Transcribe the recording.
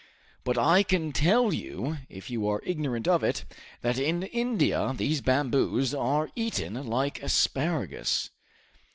"But I can tell you, if you are ignorant of it, that in India these bamboos are eaten like asparagus."